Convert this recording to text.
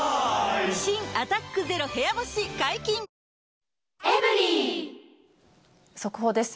新「アタックＺＥＲＯ部屋干し」解禁‼速報です。